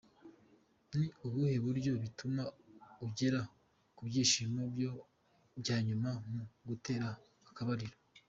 Ni ubuhe buryo butuma ugera ku byishimo bya nyuma mu gutera akabariro?.